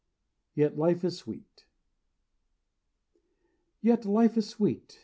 YET LIFE IS SWEET Yet life is sweet.